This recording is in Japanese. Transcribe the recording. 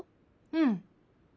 うん。